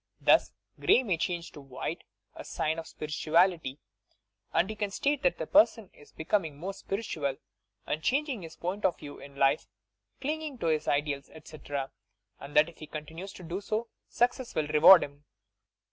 Thug, grey may change to white, as a sign of spirituality, and you can state that the person is becoming more spiritual and changing his point of view in life, clinging to his ideals, etc., and that if he continues to do so success will reward him.